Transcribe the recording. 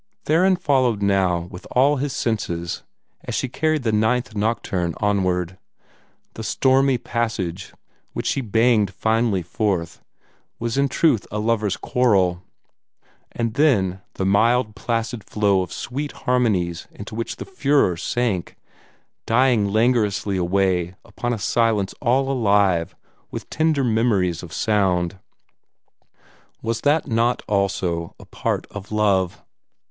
Theron followed now with all his senses, as she carried the Ninth Nocturne onward. The stormy passage, which she banged finely forth, was in truth a lover's quarrel; and then the mild, placid flow of sweet harmonies into which the furore sank, dying languorously away upon a silence all alive with tender memories of sound was that not also a part of love?